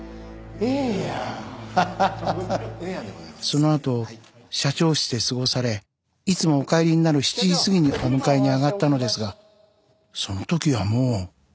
そのあと社長室で過ごされいつもお帰りになる７時過ぎにお迎えに上がったのですがその時はもう。